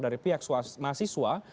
dari pihak mahasiswa